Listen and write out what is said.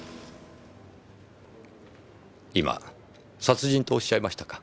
今殺人とおっしゃいましたか？